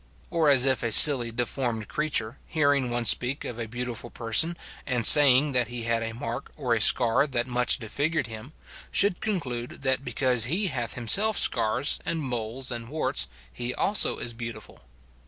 Or as if a silly, deformed creature, hear ing one speak of a beautiful person, and saying that he had a mark or a scar that much disfigured him ; should conclude that because he hath himself scars, and moles, and warts, he also is beautiful.